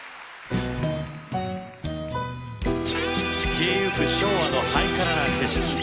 消えゆく昭和のハイカラな景色。